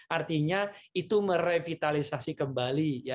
artinya itu merevitalisasi kembali